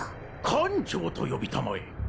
艦長と呼びたまえ。